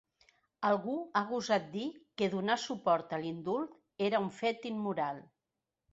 Algú ha gosat dir que donar suport a l’indult era un fet immoral!